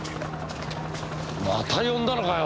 また呼んだのかよ？